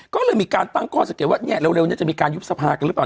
ก็เลยมีการตั้งก้อสักอย่างว่าเนี้ยเร็วเร็วเนี้ยจะมีการยุบสภากันหรือเปล่า